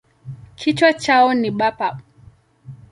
Kichwa chao ni bapa.